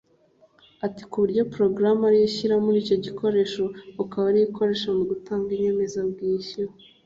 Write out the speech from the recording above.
Ati “Ku buryo(Porogaramu) ariyo ushyira muri icyo gikoresho ukaba ariyo ukoresha mu gutanga inyemezabwishyu